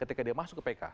ketika dia masuk ke pk